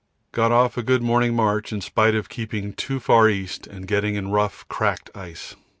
Got off a good morning march in spite of keeping too far east and getting in rough, cracked ice.